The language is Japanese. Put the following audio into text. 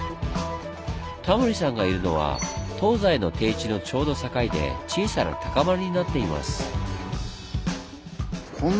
タモリさんがいるのは東西の低地のちょうど境で小さな高まりになっています。